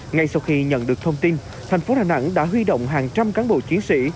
ngay sau khi nhận được thông tin thành phố đà nẵng đã huy động hàng trăm cán bộ chiến sĩ